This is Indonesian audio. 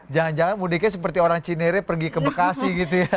jangan jangan mudiknya seperti orang cinere pergi ke bekasi gitu ya